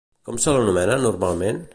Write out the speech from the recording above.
Com se l'anomena normalment?